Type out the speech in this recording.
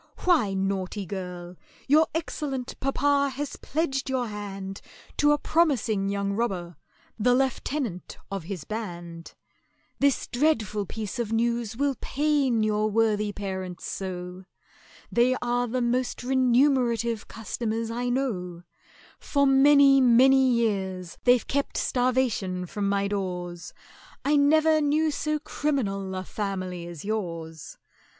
Why, naughty girl, your excellent papa has pledged your hand To a promising young robber, the lieutenant of his band! "This dreadful piece of news will pain your worthy parents so! They are the most remunerative customers I know; For many many years they've kept starvation from my doors: I never knew so criminal a family as yours!